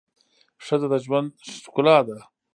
ښځه د ژوند ښکلا ده